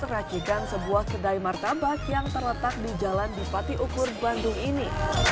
racikan sebuah kedai martabak yang terletak di jalan bupati ukur bandung ini